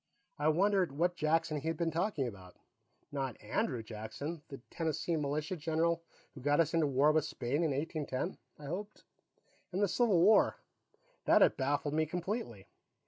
I wondered what Jackson he had been talking about; not Andrew Jackson, the Tennessee militia general who got us into war with Spain in 1810, I hoped. And the Civil War; that had baffled me completely.